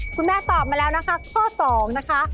คุณแม่ตอบมาแล้วนะคะข้อ๒นะคะ